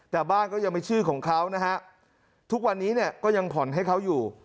แต่บ้านก็ยังไม่ชื่อของเขาทุกวันนี้ก็ยังผ่อนให้เขาอยู่